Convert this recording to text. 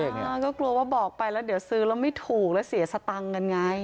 ก็กลัวว่าบอกไปแล้วเดี๋ยวซื้อแล้วไม่ถูกแล้วเสียสตังค์กันไง